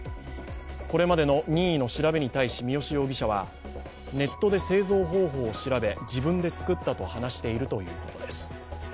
これまでの任意の調べに対し、三好容疑者はネットで製造方法を調べ自分で作ったと話しているということです。